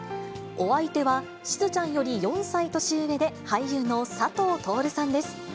お相手は、しずちゃんより４歳年上で俳優の佐藤達さんです。